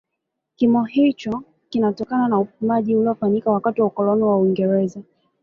Kimo hicho kimetokana na upimaji uliofanyika wakati wa ukoloni wa Uingereza